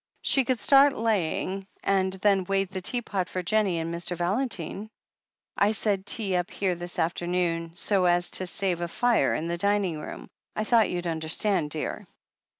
She could start laying, and then wait the teapot for Jennie and Mr. Valentine. I said tea up here this afternoon so as to save a fire in the dining room. I thought you'd understand, dear."